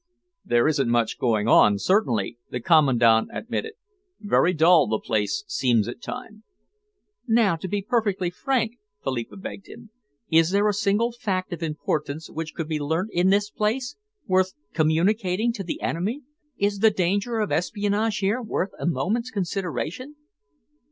"There isn't much going on, certainly," the Commandant admitted. "Very dull the place seems at times." "Now be perfectly frank," Philippa begged him. "Is there a single fact of importance which could be learnt in this place, worth communicating to the enemy? Is the danger of espionage here worth a moment's consideration?"